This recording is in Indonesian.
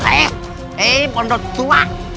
eh eh pandu tua